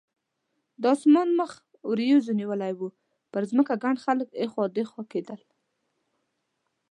د اسمان مخ وریځو نیولی و، پر ځمکه ګڼ خلک اخوا دیخوا کېدل.